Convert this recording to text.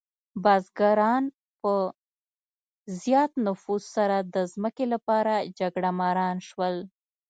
بزګران په زیات نفوس سره د ځمکې لپاره جګړهماران شول.